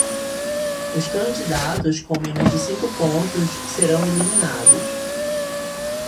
Os candidatos com menos de cinco pontos serão eliminados.